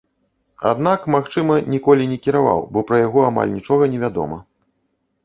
Аднак, магчыма, ніколі не кіраваў, бо пра яго амаль нічога невядома.